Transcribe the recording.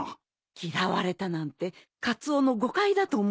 嫌われたなんてカツオの誤解だと思いますけどね。